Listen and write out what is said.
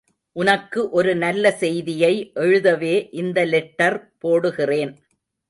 உனக்கு ஒரு நல்ல செய்தியை எழுதவே இந்த லெட்டர் போடுகிறேன்.